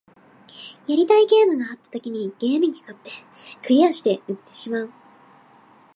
やりたいゲームがあった時にゲーム機買って、クリアしたら売ってしまう